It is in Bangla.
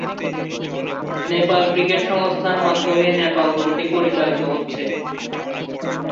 নেপাল ক্রিকেট সংস্থার মাধ্যমে নেপাল দলটি পরিচালিত হচ্ছে।